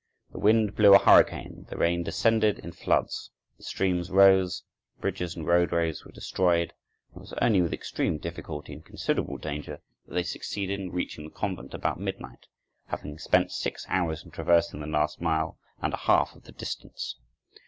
The wind blew a hurricane, the rain descended in floods, the streams rose, bridges and roadways were destroyed, and it was only with extreme difficulty and considerable danger that they succeeded in reaching the convent about midnight, having spent six hours in traversing the last mile and a half of the distance.